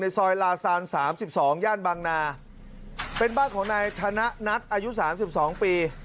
ซอยลาซาน๓๒ย่านบางนาเป็นบ้านของนายธนัทอายุ๓๒ปี